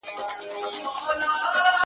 نو یې مخ سو پر جومات او پر لمونځونو،